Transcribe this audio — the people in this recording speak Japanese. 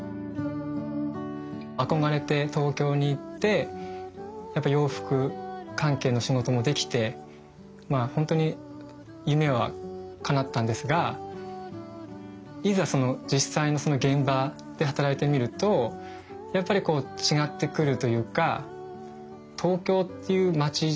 憧れて東京に行ってやっぱ洋服関係の仕事もできてまあ本当に夢はかなったんですがいざ実際のその現場で働いてみるとやっぱりこう違ってくるというか東京っていう町にすごくこう疲れたっていうか。